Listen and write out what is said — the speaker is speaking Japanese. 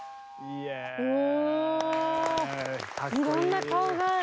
いろんな顔がある。